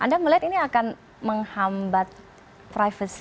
anda melihat ini akan menghambat privasi